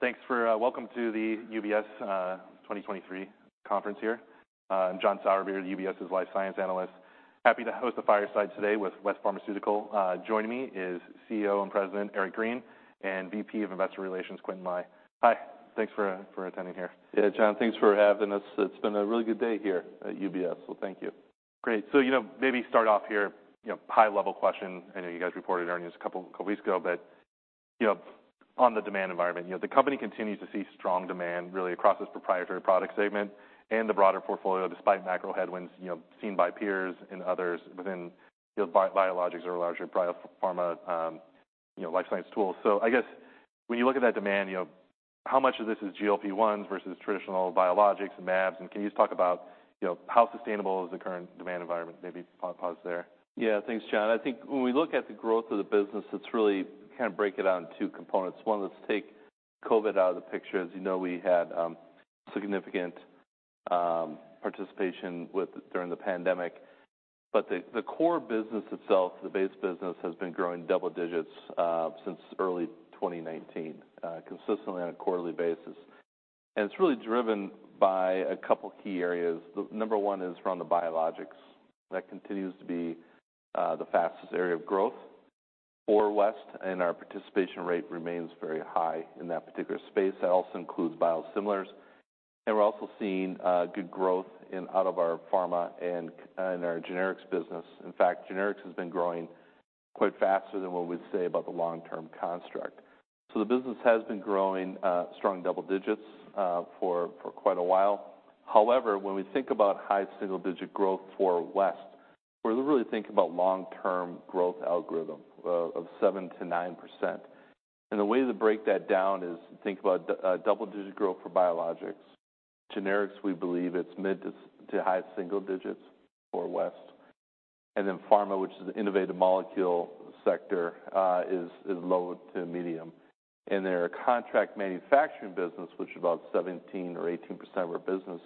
Thanks for welcome to the UBS 2023 Conference here. I'm John Sourbeer, UBS's Life Science Analyst. Happy to host the fireside today with West Pharmaceutical. Joining me is CEO and President, Eric Green, and VP of Investor Relations, Quintin Lai. Hi, thanks for attending here. Yeah, John, thanks for having us. It's been a really good day here at UBS, so thank you. Great. You know, maybe start off here, you know, high-level question. I know you guys reported earnings a couple, couple weeks ago, but, you know, on the demand environment, you know, the company continues to see strong demand really across its proprietary product segment and the broader portfolio, despite macro headwinds, you know, seen by peers and others within, you know, biologics or larger pharma, you know, life science tools. I guess when you look at that demand, you know, how much of this is GLP-1s versus traditional biologics and ANDAs? Can you just talk about, you know, how sustainable is the current demand environment? Maybe pause there. Yeah. Thanks, John. I think when we look at the growth of the business, it's really, you kind of break it down to two components. One, let's take COVID out of the picture. As you know, we had significant participation with during the pandemic. The core business itself, the base business, has been growing double digits since early 2019 consistently on a quarterly basis. It's really driven by a couple key areas. The number one is from the biologics. That continues to be the fastest area of growth for West, and our participation rate remains very high in that particular space. That also includes biosimilars, and we're also seeing good growth in out of our pharma and our generics business. In fact, generics has been growing quite faster than what we'd say about the long-term construct. The business has been growing strong double digits for quite a while. However, when we think about high single-digit growth for West, we're really thinking about long-term growth algorithm of 7%-9%. The way to break that down is think about double-digit growth for biologics. Generics, we believe it's mid to high single digits for West. Pharma, which is an innovative molecule sector, is low to medium. In their contract manufacturing business, which is about 17% or 18% of our business,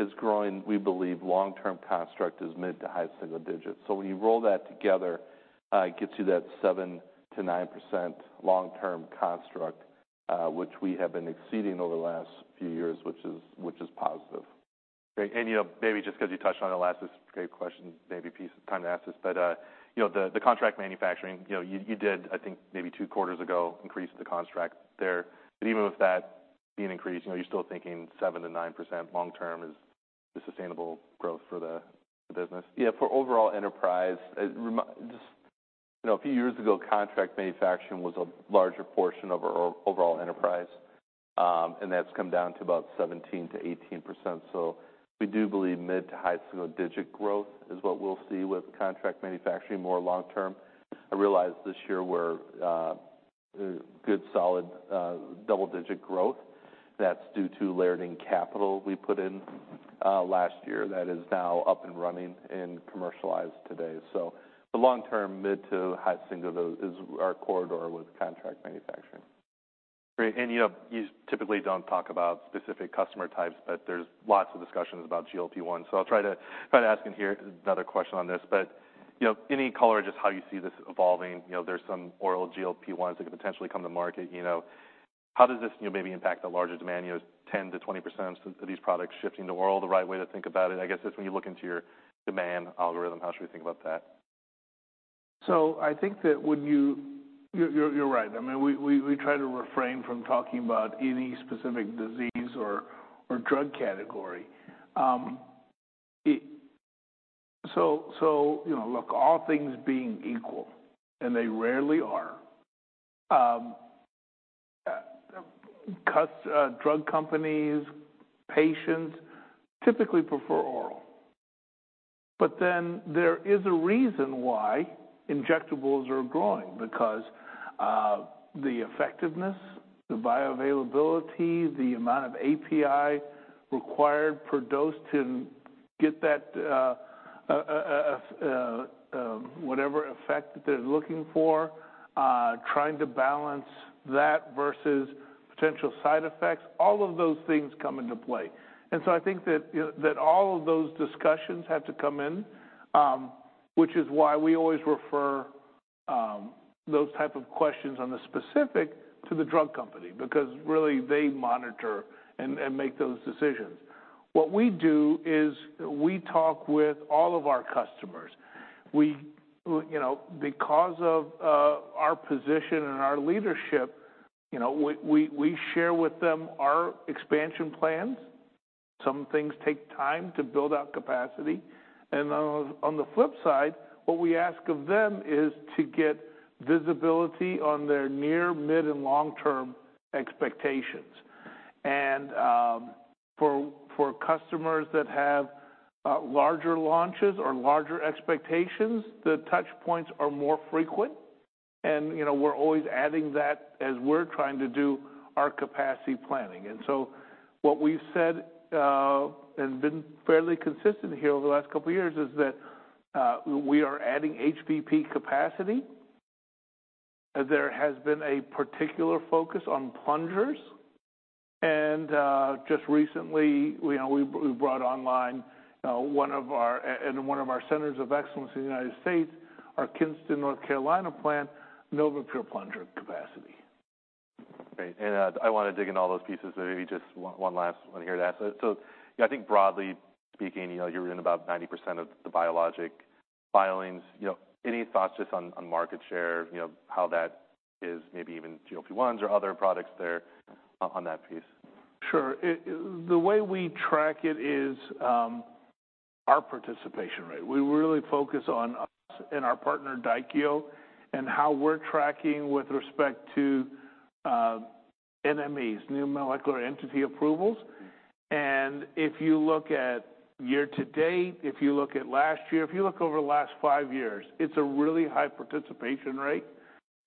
is growing. We believe long-term construct is mid to high single digits. When you roll that together, it gets you that 7%-9% long-term construct, which we have been exceeding over the last few years, which is positive. Great. You know, maybe just because you touched on it last, great question, maybe piece time to ask this. You know, the contract manufacturing, you did, I think, maybe two quarters ago, increased the contract there. Even with that being increased, you're still thinking 7%-9% long term is the sustainable growth for the business? Yeah, for overall enterprise, just, you know, a few years ago, contract manufacturing was a larger portion of our overall enterprise, and that's come down to about 17%-18%. We do believe mid to high single-digit growth is what we'll see with contract manufacturing more long term. I realize this year we're good, solid double-digit growth that's due to layering capital we put in last year that is now up and running and commercialized today. The long-term, mid to high single, though, is our corridor with contract manufacturing. Great. You know, you typically don't talk about specific customer types, but there's lots of discussions about GLP-1. I'll try to try to ask him here another question on this, but, you know, any color, just how you see this evolving, you know, there's some oral GLP-1s that could potentially come to market, you know. How does this, you know, maybe impact the larger demand, you know, 10%-20% of these products shifting to oral, the right way to think about it? I guess that's when you look into your demand algorithm, how should we think about that? I think that when you're, you're, you're right. I mean, we try to refrain from talking about any specific disease or, or drug category. You know, look, all things being equal, and they rarely are, drug companies, patients typically prefer oral. There is a reason why injectables are growing, because the effectiveness, the bioavailability, the amount of API required per dose to get that whatever effect they're looking for, trying to balance that versus potential side effects, all of those things come into play. I think that, you know, that all of those discussions have to come in, which is why we always refer those type of questions on the specific to the drug company, because really, they monitor and make those decisions. What we do is we talk with all of our customers. We, you know, because of our position and our leadership, you know we share with them our expansion plans. Some things take time to build out capacity. On, on the flip side, what we ask of them is to get visibility on their near, mid, and long-term expectations. For, for customers that have larger launches or larger expectations, the touch points are more frequent, and, you know, we're always adding that as we're trying to do our capacity planning. What we've said and been fairly consistent here over the last couple of years is that we are adding HVP capacity. There has been a particular focus on plungers. Just recently, you know, we brought online, one of our centers of excellence in the United States, our Kinston, North Carolina plant, NovaPure plunger capacity. Great. I want to dig in all those pieces, but maybe just one, one last one here to ask. I think broadly speaking, you know, you're in about 90% of the biologic filings. You know, any thoughts just on, on market share, you know, how that is maybe even GLP-1s or other products there on that piece? Sure. The way we track it is our participation rate. We really focus on us and our partner, Daiichi, and how we're tracking with respect to NMEs, New Molecular Entity approvals. If you look at year to date, if you look at last year, if you look over the last five years, it's a really high participation rate.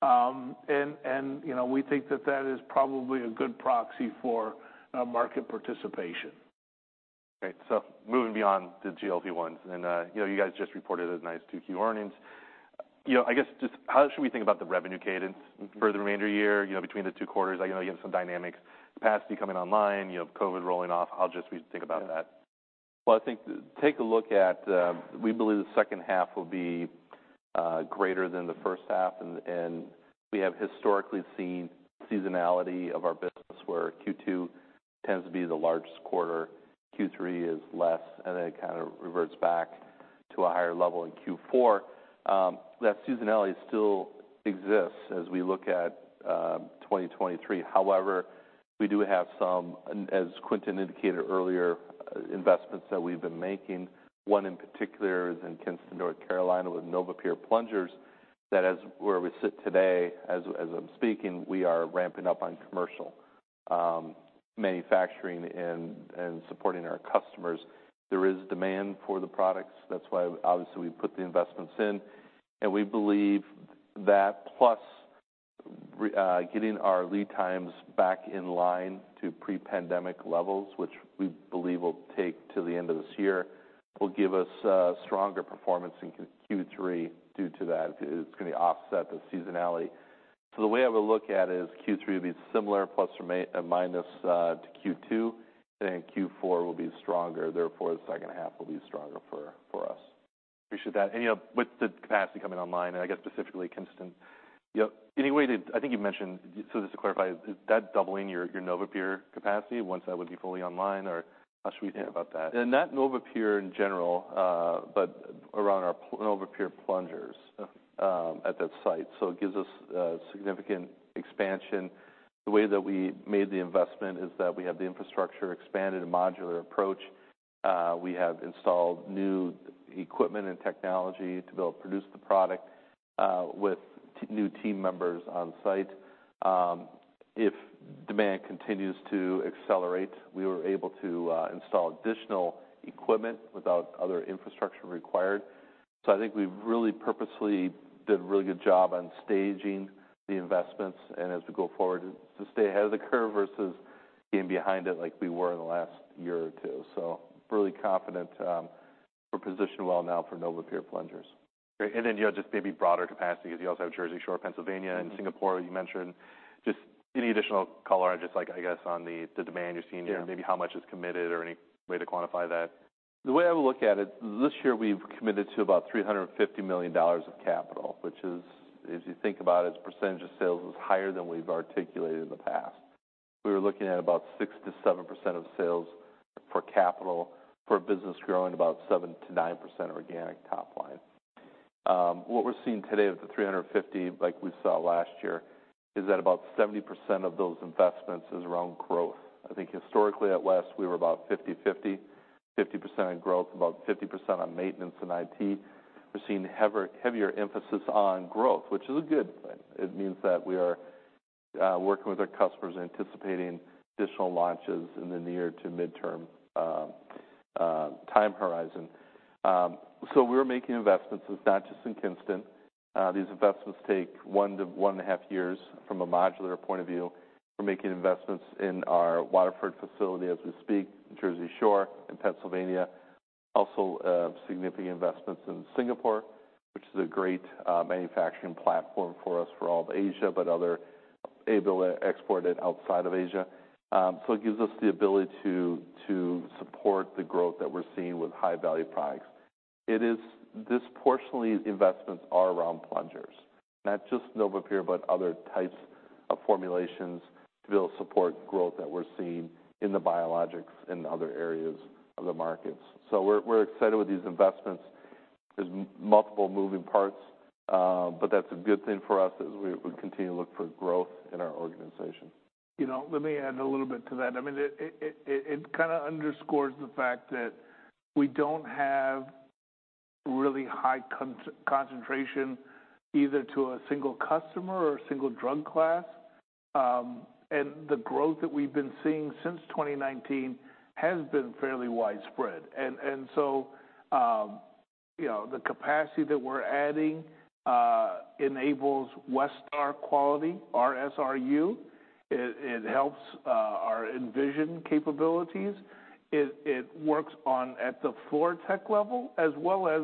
And, you know, we think that that is probably a good proxy for market participation. Great. Moving beyond the GLP-1s, and, you know, you guys just reported a nice 2Q earnings. You know, I guess just how should we think about the revenue cadence for the remainder year, you know, between the two quarters? I know you have some dynamics, capacity coming online, you have COVID rolling off. How just we think about that? Well, I think take a look at. We believe the second half will be greater than the first half, and we have historically seen seasonality of our business, where Q2 tends to be the largest quarter, Q3 is less, and then it kind of reverts back to a higher level in Q4. That seasonality still exists as we look at 2023. However, we do have some, as Quintin indicated earlier, investments that we've been making. One in particular is in Kinston, North Carolina, with NovaPure plungers, that as where we sit today, as I'm speaking, we are ramping up on commercial manufacturing and supporting our customers. There is demand for the products. That's why, obviously, we put the investments in, and we believe that plus, getting our lead times back in line to pre-pandemic levels, which we believe will take to the end of this year, will give us a stronger performance in Q3. Due to that, it's going to offset the seasonality. The way I would look at it is Q3 will be similar, plus or minus to Q2, and Q4 will be stronger. The second half will be stronger for us. Appreciate that. You know, with the capacity coming online and I guess specifically, Kinston, yep, any way to... I think you mentioned, so just to clarify, is that doubling your, your NovaPure capacity once that would be fully online, or how should we think about that? That NovaPure in general, around our NovaPure plungers. Okay At that site. It gives us significant expansion. The way that we made the investment is that we have the infrastructure expanded and modular approach. We have installed new equipment and technology to be able to produce the product with new team members on site. If demand continues to accelerate, we were able to install additional equipment without other infrastructure required. I think we've really purposely did a really good job on staging the investments and as we go forward, to stay ahead of the curve versus getting behind it, like we were in the last year or two. Really confident, we're positioned well now for NovaPure plungers. Great, you know, just maybe broader capacity, because you also have Jersey Shore, Pennsylvania, and Singapore, you mentioned. Just any additional color, just like, I guess, on the, the demand you're seeing? Yeah And maybe how much is committed or any way to quantify that? The way I would look at it, this year, we've committed to about $350 million of capital, which is, as you think about it, as percentage of sales, is higher than we've articulated in the past. We were looking at about 6%-7% of sales for capital for a business growing about 7%-9% organic top line. What we're seeing today with the 350, like we saw last year, is that about 70% of those investments is around growth. I think historically, at West, we were about 50/50, 50% on growth, about 50% on maintenance and IT. We're seeing heavier emphasis on growth, which is a good thing. It means that we are working with our customers, anticipating additional launches in the near to midterm time horizon. We're making investments. It's not just in Kinston. These investments take one to 1.5 years from a modular point of view. We're making investments in our Waterford facility as we speak, Jersey Shore and Pennsylvania. Also, significant investments in Singapore, which is a great manufacturing platform for us for all of Asia, but other able to export it outside of Asia. It gives us the ability to support the growth that we're seeing High-Value Products. it disproportionately, investments are around plungers, not just NovaPure, but other types of formulations to be able to support growth that we're seeing in the biologics and other areas of the markets. We're, we're excited with these investments. There's multiple moving parts, but that's a good thing for us as we, we continue to look for growth in our organization. You know, let me add a little bit to that. I mean, it kind of underscores the fact that we don't have really high concentration either to a single customer or a single drug class. The growth that we've been seeing since 2019 has been fairly widespread. You know, the capacity that we're adding, enables Westar quality, our SRU. It, it helps, our Envision capabilities. It, it works on at the floor tech level, as well as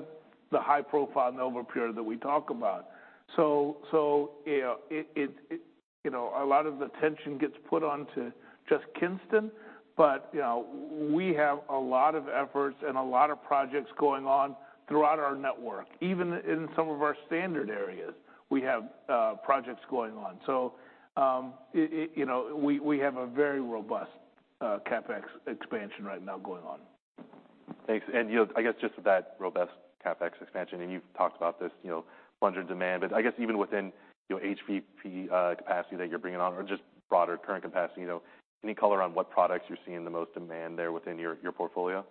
the high-profile NovaPure that we talk about. So, you know, it, it, you know, a lot of the tension gets put onto just Kinston, but, you know, we have a lot of efforts and a lot of projects going on throughout our network. Even in some of our standard areas, we have, projects going on. It, it, you know, we, we have a very robust, CapEx expansion right now going on. Thanks. you know, I guess just with that robust CapEx expansion, and you've talked about this, you know, plunger demand, but I guess even within your HVP capacity that you're bringing on or just broader current capacity, you know, any color on what products you're seeing the most demand there within your, your portfolio?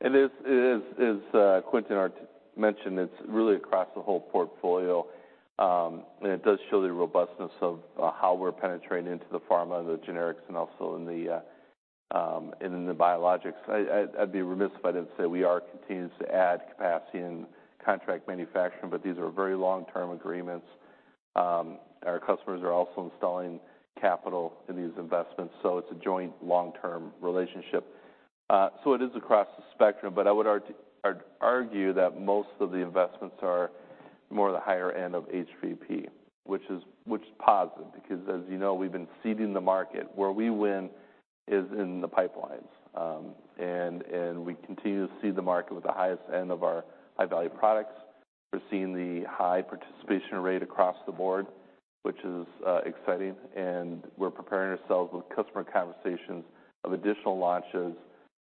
It is as Quintin mentioned, it's really across the whole portfolio, and it does show the robustness of how we're penetrating into the pharma, the generics, and also in the biologics. I'd be remiss if I didn't say we are continuing to add capacity and contract manufacturing, but these are very long-term agreements. Our customers are also installing capital in these investments, so it's a joint long-term relationship. So it is across the spectrum, but I would argue that most of the investments are more the higher end of HVP, which is, which is positive because, as you know, we've been seeding the market. Where we win is in the pipelines, and, and we continue to see the market with the highest end of our High-Value Products. We're seeing the high participation rate across the board, which is exciting, and we're preparing ourselves with customer conversations of additional launches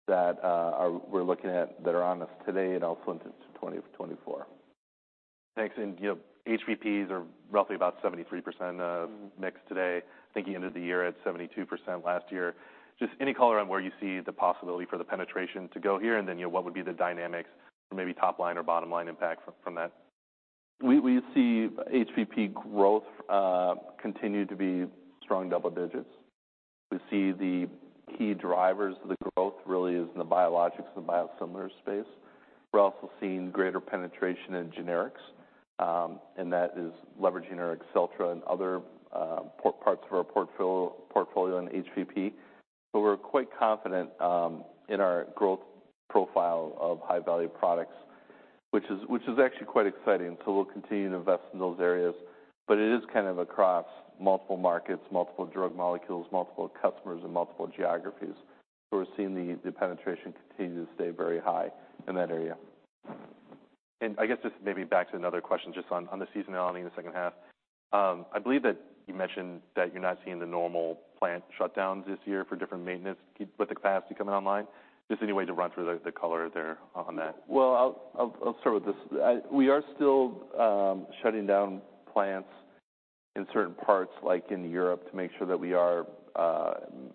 that we're looking at, that are on us today and also into 2024. Thanks. you know, HVPs are roughly about 73% mixed today. I think you ended the year at 72% last year. Just any color on where you see the possibility for the penetration to go here, and then, you know, what would be the dynamics or maybe top line or bottom line impact from, from that? We see HVP growth continue to be strong double digits. We see the key drivers of the growth really is in the biologics and biosimilar space. We're also seeing greater penetration in generics, and that is leveraging our AccelTRA and other parts of our portfolio in HVP. We're quite confident in our growth profile High-Value Products, which is actually quite exciting. We'll continue to invest in those areas, but it is kind of across multiple markets, multiple drug molecules, multiple customers, and multiple geographies. We're seeing the penetration continue to stay very high in that area. I guess just maybe back to another question, just on, on the seasonality in the second half. I believe that you mentioned that you're not seeing the normal plant shutdowns this year for different maintenance with the capacity coming online. Just any way to run through the, the color there on that? I'll start with this. We are still shutting down plants in certain parts, like in Europe, to make sure that we are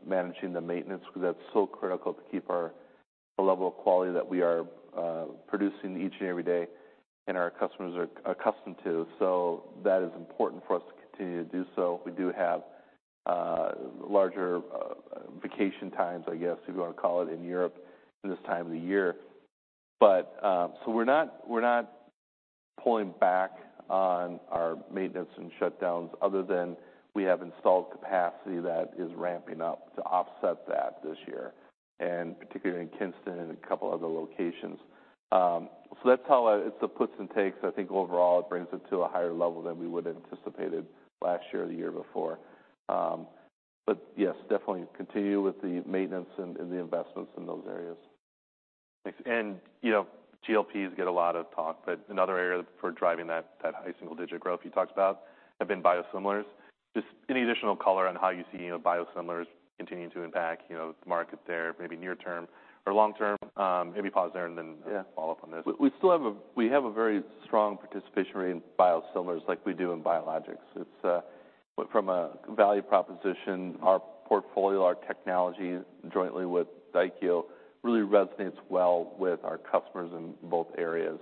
managing the maintenance, because that's so critical to keep our, the level of quality that we are producing each and every day and our customers are accustomed to. That is important for us to continue to do so. We do have larger vacation times, I guess, if you want to call it, in Europe this time of the year. We're not, we're not pulling back on our maintenance and shutdowns other than we have installed capacity that is ramping up to offset that this year, and particularly in Kinston and a couple other locations. That's how it's a puts and takes. I think overall, it brings it to a higher level than we would've anticipated last year or the year before. Yes, definitely continue with the maintenance and, and the investments in those areas. Thanks. You know, GLPs get a lot of talk, but another area for driving that, that high single-digit growth you talked about have been biosimilars. Just any additional color on how you see, you know, biosimilars continuing to impact, you know, the market there, maybe near term or long term? Maybe pause there and then follow up on t his. Yeah. We, we still have a very strong participation rate in biosimilars like we do in biologics. It's, from a value proposition, our portfolio, our technology, jointly with Dyadic, really resonates well with our customers in both areas,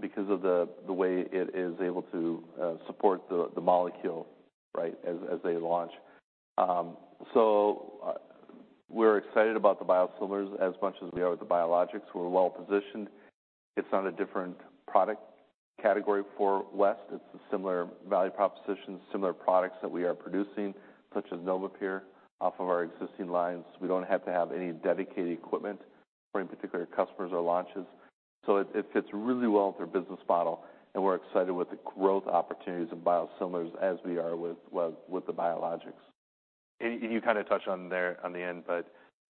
because of the, the way it is able to support the, the molecule, right, as, as they launch. We're excited about the biosimilars as much as we are with the biologics. We're well-positioned. It's on a different product category for West. It's a similar value proposition, similar products that we are producing, such as NovaPure, off of our existing lines. We don't have to have any dedicated equipment for any particular customers or launches, so it, it fits really well with our business model, and we're excited with the growth opportunities in biosimilars as we are with, with, with the biologics. You kinda touched on there on the end,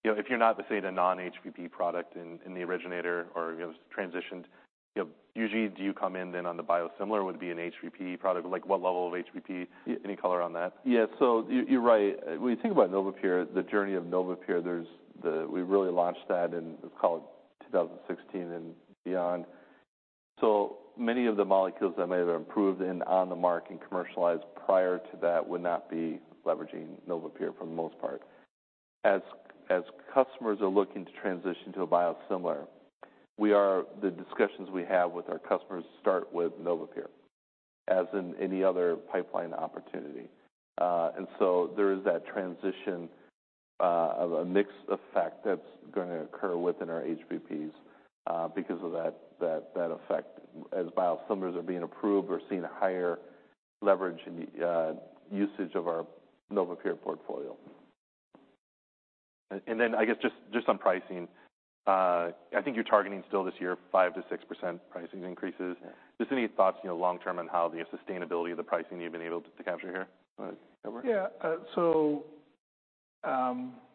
you know, if you're not the, say, the non-HVP product in, in the originator or, you know, transitioned, you know, usually, do you come in then on the biosimilar? Would it be an HVP product? Like, what level of HVP? Any color on that? Yeah. You, you're right. When you think about NovaPure, the journey of NovaPure, we really launched that in, let's call it 2016 and beyond. Many of the molecules that may have improved in on the market and commercialized prior to that would not be leveraging NovaPure for the most part. As customers are looking to transition to a biosimilar, the discussions we have with our customers start with NovaPure. As in any other pipeline opportunity. There is that transition of a mixed effect that's gonna occur within our HVPs because of that effect as biosimilars are being approved, we're seeing higher leverage and usage of our NovaPure portfolio. I guess just, just on pricing, I think you're targeting still this year, 5%-6% pricing increases. Yeah. Just any thoughts, you know, long term on how the sustainability of the pricing you've been able to capture here? Yeah. So,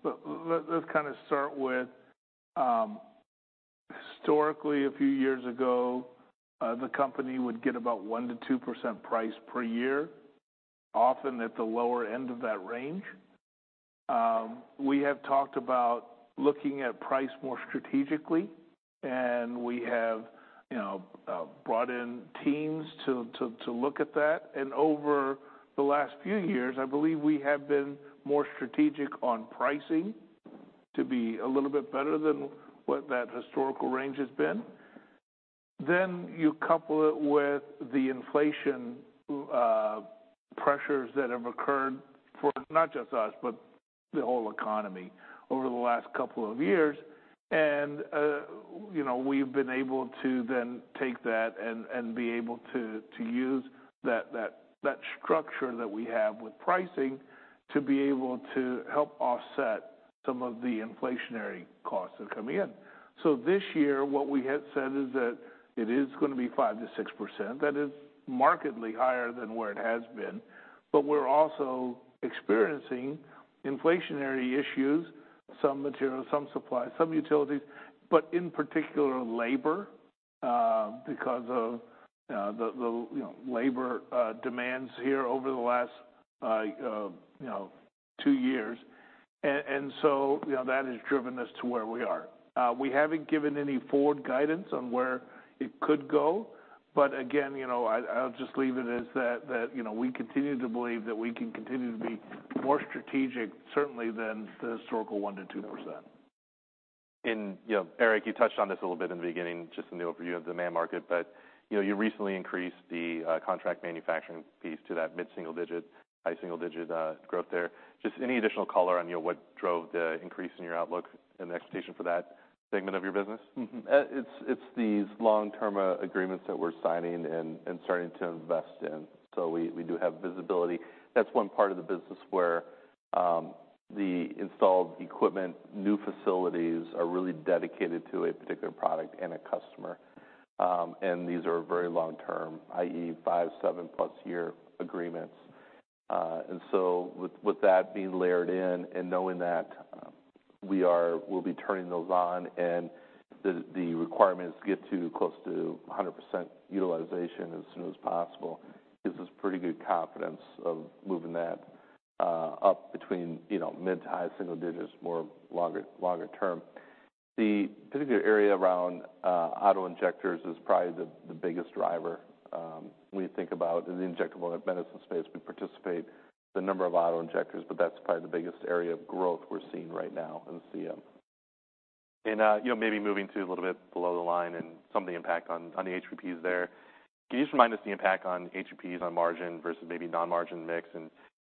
let's kinda start with, historically, a few years ago, the company would get about 1%-2% price per year, often at the lower end of that range. We have talked about looking at price more strategically, and we have, you know, brought in teams to look at that. Over the last few years, I believe we have been more strategic on pricing to be a little bit better than what that historical range has been. You couple it with the inflation pressures that have occurred for not just us, but the whole economy over the last 2 years. You know, we've been able to then take that and be able to use that, that, that structure that we have with pricing to be able to help offset some of the inflationary costs that are coming in. This year, what we had said is that it is gonna be 5%-6%. That is markedly higher than where it has been, but we're also experiencing inflationary issues, some material, some supplies, some utilities, but in particular, labor, because of the, you know, labor demands here over the last, you know, two years. You know, that has driven us to where we are. We haven't given any forward guidance on where it could go, but again, you know, I, I'll just leave it as that, that, you know, we continue to believe that we can continue to be more strategic, certainly than the historical 1%-2%. You know, Eric, you touched on this a little bit in the beginning, just in the overview of the demand market, but, you know, you recently increased the contract manufacturing piece to that mid-single digit, high single-digit growth there. Just any additional color on, you know, what drove the increase in your outlook and the expectation for that segment of your business? It's, it's these long-term agreements that we're signing and, and starting to invest in. We, we do have visibility. That's one part of the business where the installed equipment, new facilities, are really dedicated to a particular product and a customer. These are very long-term, i.e., five, seven-plus year agreements. With, with that being layered in and knowing that we are- we'll be turning those on and the, the requirements get to close to 100% utilization as soon as possible, gives us pretty good confidence of moving that up between, you know, mid to high single digits, more longer, longer term. The particular area around autoinjectors is probably the biggest driver. When you think about in the injectable medicine space, we participate the number of autoinjectors, but that's probably the biggest area of growth we're seeing right now in CM. You know, maybe moving to a little bit below the line and some of the impact on, on the HVPs there. Can you just remind us the impact on HVPs on margin versus maybe non-margin mix?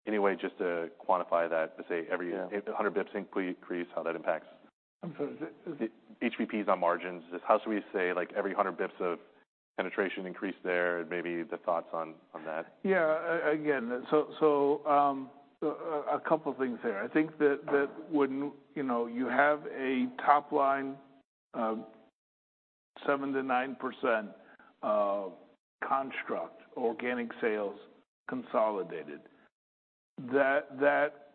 Any way just to quantify that, to say every 100 basis points increase, how that impacts? Yeah I'm sorry. The HVPs on margins. Just how should we say, like, every 100 basis points of penetration increase there? Maybe the thoughts on, on that? Yeah. Again, so, so, a couple things there. I think that, that when, you know, you have a top line, 7%-9% construct, organic sales consolidated, that, that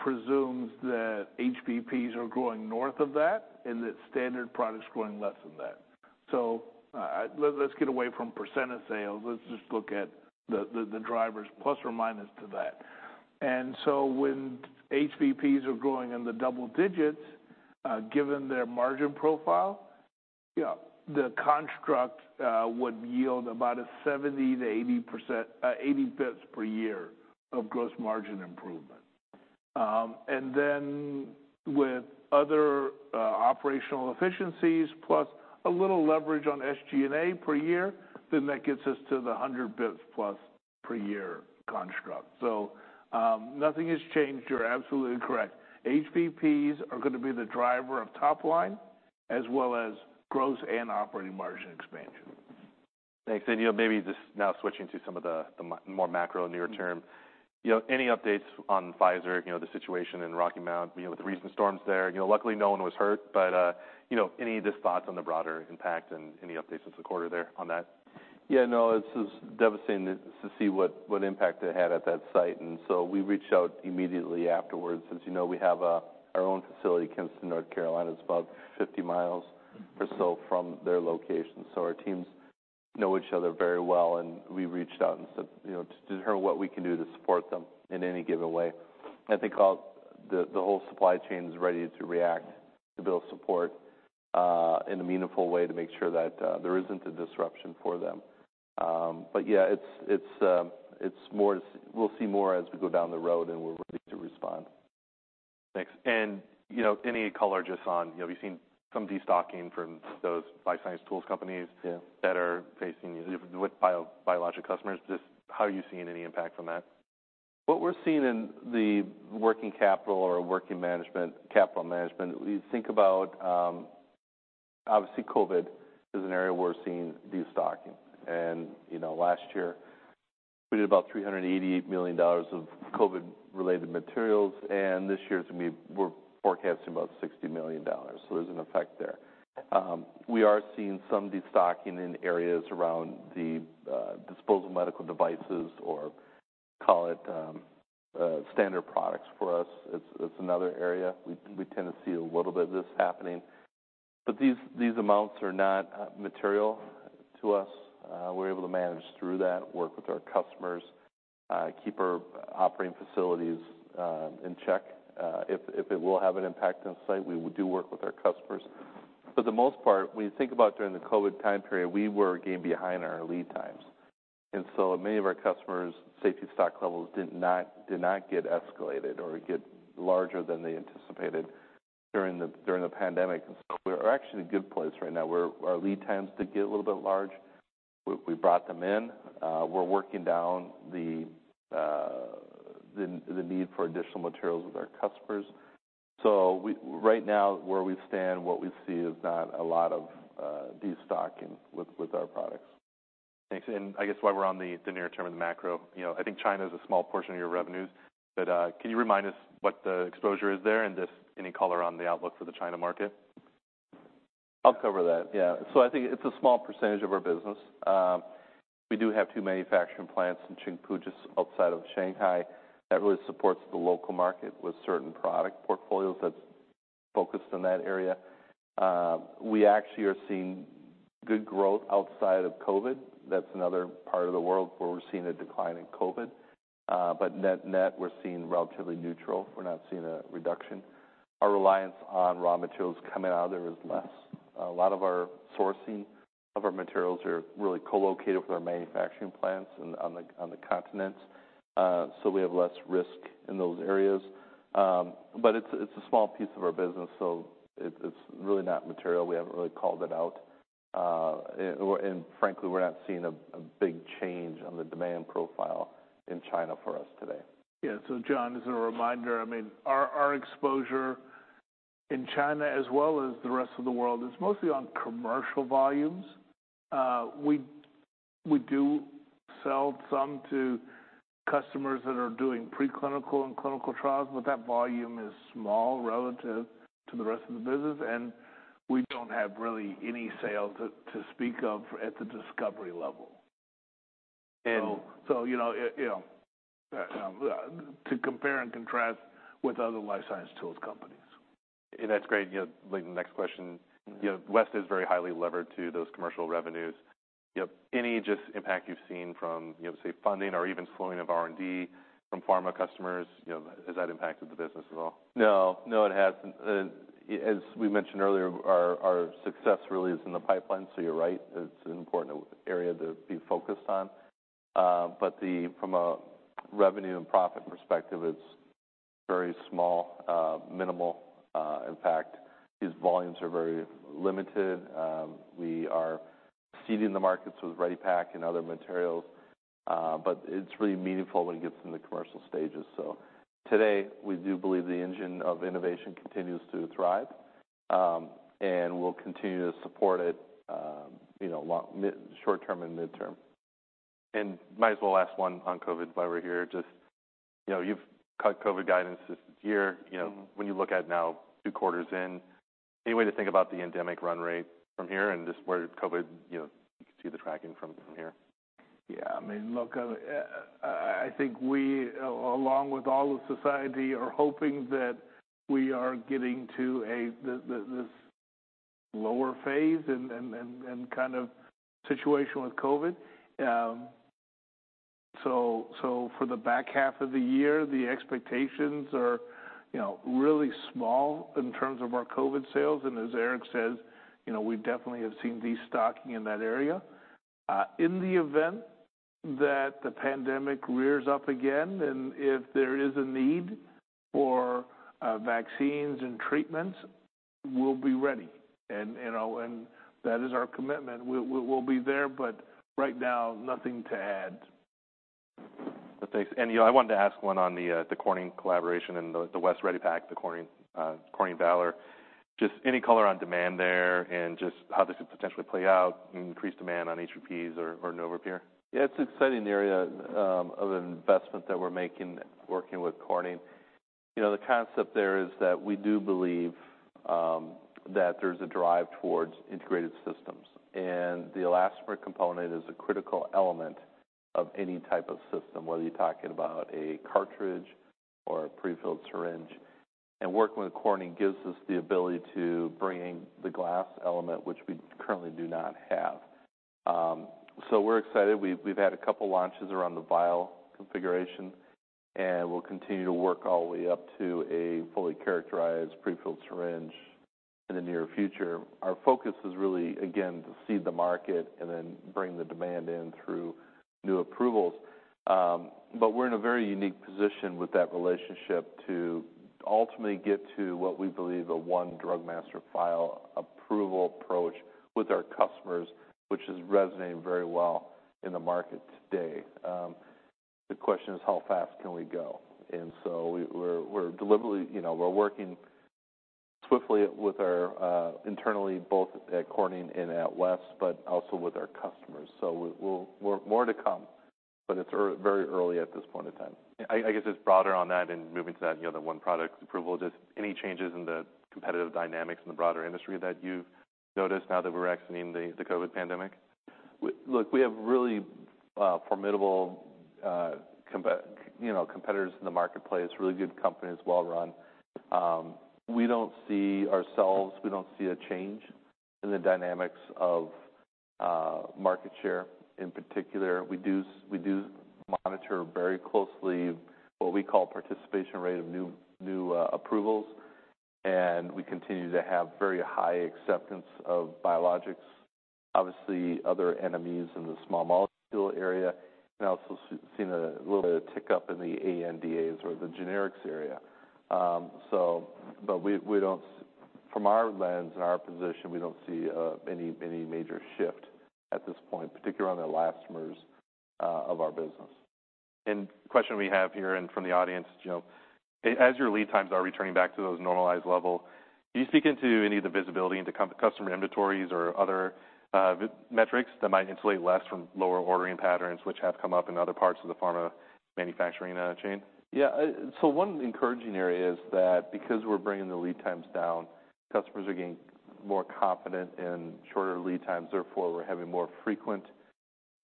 presumes that HVPs are growing north of that and that standard products are growing less than that. Let's get away from % of sales. Let's just look at the, the, the drivers plus or minus to that. When HVPs are growing in the double digits, given their margin profile, yeah, the construct would yield about a 70%-80%, 80 basis points per year of gross margin improvement. With other operational efficiencies, plus a little leverage on SG&A per year, then that gets us to the 100 basis points plus per year construct. Nothing has changed. You're absolutely correct. HVPs are gonna be the driver of top line, as well as gross and operating margin expansion. Thanks. You know, maybe just now switching to some of the, the more macro near term. You know, any updates on Pfizer, you know, the situation in Rocky Mount, you know, with the recent storms there? You know, luckily, no one was hurt, you know, any just thoughts on the broader impact and any updates since the quarter there on that? Yeah, no, it's just devastating to, to see what, what impact it had at that site. We reached out immediately afterwards. As you know, we have our own facility in Kinston, North Carolina. It's about 50 miles or so from their location. Our teams know each other very well, and we reached out and said, you know, to determine what we can do to support them in any given way. The whole supply chain is ready to react to build support in a meaningful way to make sure that there isn't a disruption for them. Yeah, it's more we'll see more as we go down the road, and we're ready to respond. Thanks. You know, any color just on, you know, we've seen some destocking from those life science tools companies that are facing you with bio, biologic customers. Just how are you seeing any impact from that? Yeah. What we're seeing in the working capital or working management, capital management, we think about, obviously, COVID is an area where we're seeing destocking. You know, last year, we did about $388 million of COVID-related materials, and this year it's gonna be we're forecasting about $60 million. There's an effect there. We are seeing some destocking in areas around the disposable medical devices, or call it, standard products. For us, it's, it's another area we, we tend to see a little bit of this happening, but these, these amounts are not material to us. We're able to manage through that, work with our customers, keep our operating facilities in check. If, if it will have an impact on site, we do work with our customers. For the most part, when you think about during the COVID time period, we were getting behind in our lead times. Many of our customers' safety stock levels did not get escalated or get larger than they anticipated during the, during the pandemic. We're actually in a good place right now, where our lead times did get a little bit large. We, we brought them in. We're working down the, the, the need for additional materials with our customers. We-- right now, where we stand, what we see is not a lot of destocking with our products. Thanks. I guess while we're on the, the near term and the macro, you know, I think China is a small portion of your revenues, but, can you remind us what the exposure is there and just any color on the outlook for the China market? I'll cover that. Yeah. I think it's a small percentage of our business. We do have two manufacturing plants in Qingpu, just outside of Shanghai, that really supports the local market with certain product portfolios that's focused on that area. We actually are seeing good growth outside of COVID. That's another part of the world where we're seeing a decline in COVID. Net we're seeing relatively neutral. We're not seeing a reduction. Our reliance on raw materials coming out of there is less. A lot of our sourcing of our materials are really co-located with our manufacturing plants and on the, on the continents, so we have less risk in those areas. It's, it's a small piece of our business, so it's really not material. We haven't really called it out, and frankly, we're not seeing a, a big change on the demand profile in China for us today. Yeah. John, as a reminder, I mean, our, our exposure in China, as well as the rest of the world, is mostly on commercial volumes. We, we do sell some to customers that are doing preclinical and clinical trials, but that volume is small relative to the rest of the business, and we don't have really any sales to, to speak of at the discovery level. You know, you know, to compare and contrast with other life science tools companies. That's great, you know, lead to the next question. You know, West is very highly levered to those commercial revenues. You know, any just impact you've seen from, you know, say, funding or even slowing of R&D from pharma customers, you know, has that impacted the business at all? No. No, it hasn't. As we mentioned earlier, our, our success really is in the pipeline, so you're right, it's an important area to be focused on. But the, from a revenue and profit perspective, it's very small, minimal impact. These volumes are very limited. We are seeding the markets with Ready Pack and other materials, but it's really meaningful when it gets into commercial stages. Today, we do believe the engine of innovation continues to thrive, and we'll continue to support it, you know, long, short term and midterm. Might as well ask one on COVID while we're here. Just, you know, you've cut COVID guidance this year. You know, when you look at now two quarters in, any way to think about the endemic run rate from here and just where COVID, you know, you can see the tracking from, from here? Yeah, I mean, look, I, I think we, along with all of society, are hoping that we are getting to a, the, the, this lower phase and, and, and, and kind of situation with COVID. For the back half of the year, the expectations are, you know, really small in terms of our COVID sales, and as Eric says, you know, we definitely have seen destocking in that area. In the event that the pandemic rears up again, and if there is a need for vaccines and treatments, we'll be ready, you know, and that is our commitment. We'll, we'll, we'll be there, but right now, nothing to add. Thanks. You know, I wanted to ask one on the, the Corning collaboration and the, the West Ready Pack, the Corning, Corning Valor. Just any color on demand there and just how this could potentially play out and increase demand on HVPs or, or NovaPure? Yeah, it's an exciting area of investment that we're making, working with Corning. You know, the concept there is that we do believe that there's a drive towards integrated systems, and the elastomer component is a critical element of any type of system, whether you're talking about a cartridge or a prefilled syringe. Working with Corning gives us the ability to bring the glass element, which we currently do not have. So we're excited. We've, we've had a couple launches around the vial configuration, and we'll continue to work all the way up to a fully characterized prefilled syringe. In the near future. Our focus is really, again, to seed the market and then bring the demand in through new approvals. But we're in a very unique position with that relationship to ultimately get to what we believe, a 1 Drug Master File approval approach with our customers, which is resonating very well in the market today. The question is: How fast can we go? We're deliberately, you know, we're working swiftly with our internally, both at Corning and at West, but also with our customers. We'll more to come, but it's very early at this point in time. I guess just broader on that and moving to that, you know, the one product approval, just any changes in the competitive dynamics in the broader industry that you've noticed now that we're exiting the COVID pandemic? Look, we have really, formidable, you know, competitors in the marketplace, really good companies, well-run. We don't see a change in the dynamics of market share. In particular, we do, we do monitor very closely what we call participation rate of new, new, approvals, and we continue to have very high acceptance of biologics. Obviously, other NMEs in the small molecule area, and also seeing a little tick up in the ANDAs or the generics area. From our lens and our position, we don't see any, any major shift at this point, particularly on the elastomers of our business. The question we have here and from the audience, your lead times are returning back to those normalized level, do you speak into any of the visibility into customer inventories or other metrics that might insulate West from lower ordering patterns, which have come up in other parts of the pharma manufacturing chain? Yeah, one encouraging area is that because we're bringing the lead times down, customers are getting more confident in shorter lead times. Therefore, we're having more frequent,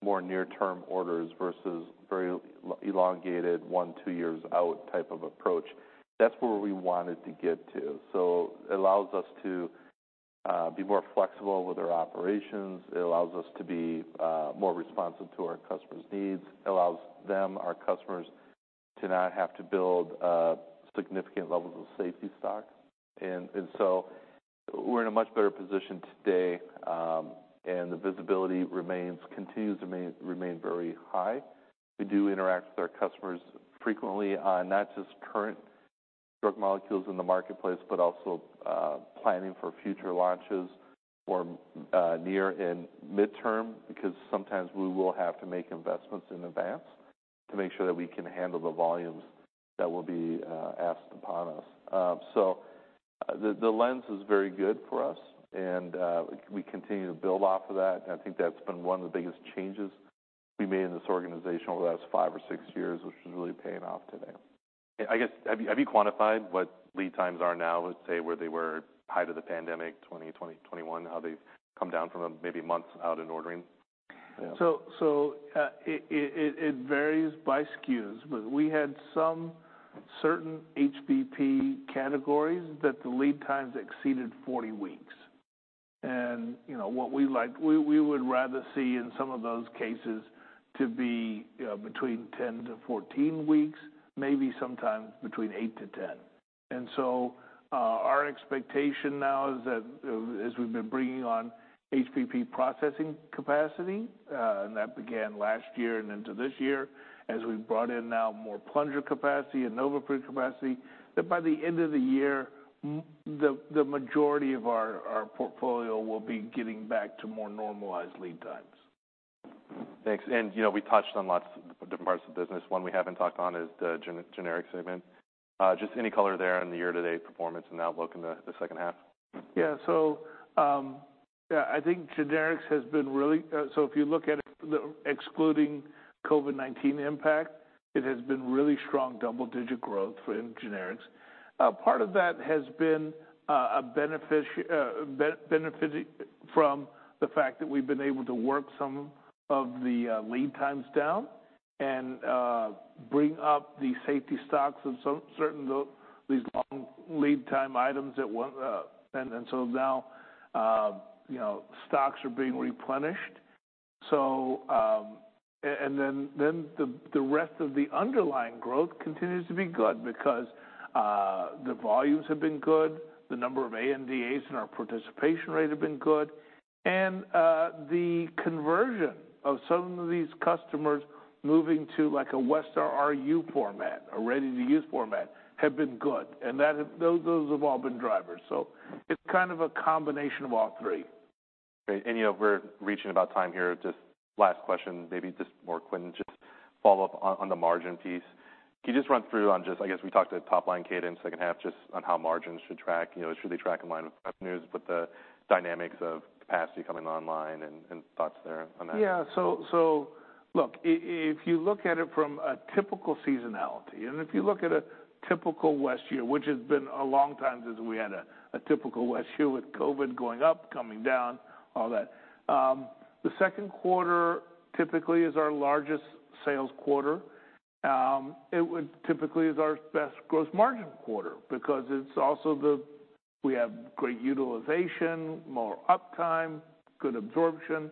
more near-term orders versus very elongated, one, two years out type of approach. That's where we wanted to get to, it allows us to be more flexible with our operations. It allows us to be more responsive to our customers' needs. It allows them, our customers, to not have to build significant levels of safety stock. We're in a much better position today, and the visibility remains, continues to remain very high. We do interact with our customers frequently on not just current drug molecules in the marketplace, but also, planning for future launches or, near and midterm, because sometimes we will have to make investments in advance to make sure that we can handle the volumes that will be asked upon us. The, the lens is very good for us, and, we continue to build off of that. I think that's been one of the biggest changes we made in this organization over the last five or six years, which is really paying off today. I guess, have you, have you quantified what lead times are now, let's say, where they were height of the pandemic, 2021, how they've come down from a maybe months out in ordering? It varies by SKUs, but we had some certain HVP categories that the lead times exceeded 40 weeks. You know, what we like-- we, we would rather see in some of those cases to be between 10-14 weeks, maybe sometimes between eight to 10. Our expectation now is that, as we've been bringing on HVP processing capacity, and that began last year and into this year, as we've brought in now more plunger capacity and NovaPure capacity, that by the end of the year, m- the, the majority of our, our portfolio will be getting back to more normalized lead times. Thanks. You know, we touched on lots of different parts of the business. One we haven't talked on is the generics segment. Just any color there in the year-to-date performance and outlook in the second half? Yeah. Yeah, I think generics has been really. If you look at it, excluding COVID-19 impact, it has been really strong double-digit growth in generics. A part of that has been a benefit from the fact that we've been able to work some of the lead times down and bring up the safety stocks of certain, these long lead time items that were, and then so now, you know, stocks are being replenished. The rest of the underlying growth continues to be good because the volumes have been good, the number of ANDAs and our participation rate have been good, and the conversion of some of these customers moving to like a Westar RU format, a ready-to-use format, have been good, and that, those, those have all been drivers. It's kind of a combination of all three. Great. you know, we're reaching about time here. Just last question, maybe just more Quintin, just follow up on, on the margin piece. Can you just run through on just, I guess, we talked to top-line cadence, second half, just on how margins should track? You know, should they track in line with revenues, with the dynamics of capacity coming online and, and thoughts there on that? Yeah. If you look at it from a typical seasonality, if you look at a typical West year, which has been a long time since we had a typical West year with COVID going up, coming down, all that. The second quarter typically is our largest sales quarter. It would typically is our best gross margin quarter because it's also we have great utilization, more uptime, good absorption.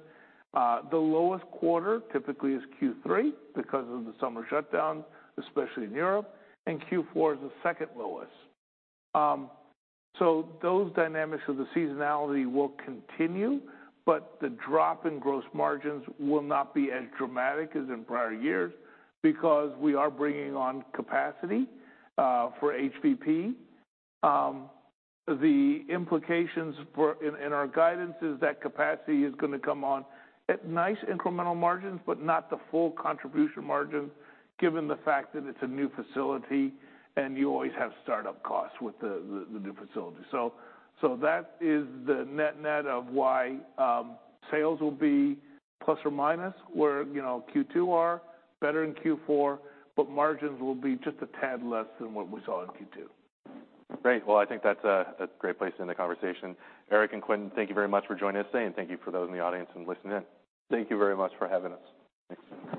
The lowest quarter typically is Q3 because of the summer shutdown, especially in Europe, Q4 is the second lowest. Those dynamics of the seasonality will continue, the drop in gross margins will not be as dramatic as in prior years because we are bringing on capacity for HVP. The implications in our guidance is that capacity is gonna come on at nice incremental margins, but not the full contribution margin, given the fact that it's a new facility and you always have start-up costs with the, the, the new facility. That is the net-net of why sales will be plus or minus, where, you know, Q2 are better than Q4, but margins will be just a tad less than what we saw in Q2. Great. Well, I think that's a, a great place to end the conversation. Eric and Quintin, thank you very much for joining us today, and thank you for those in the audience and listening in. Thank you very much for having us.